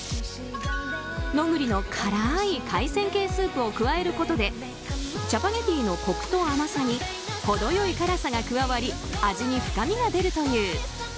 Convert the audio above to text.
ノグリの辛い海鮮系スープを加えることでチャパゲティのコクと甘さに程良い辛さが加わり味に深みが出るという。